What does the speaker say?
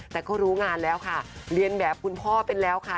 แต่ก็รู้งานแล้วค่ะเรียนแบบคุณพ่อไปแล้วค่ะ